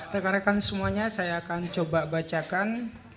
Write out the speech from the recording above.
rekan rekan semuanya saya akan coba bacakan